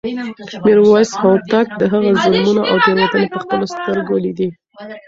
میرویس هوتک د هغه ظلمونه او تېروتنې په خپلو سترګو لیدې.